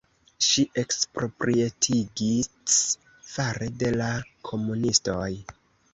Ŝi eksproprietigits fare de la komunistoj.